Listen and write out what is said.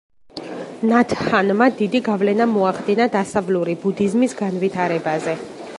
ნათ ჰანმა დიდი გავლენა მოახდინა დასავლური ბუდიზმის განვითარებაზე.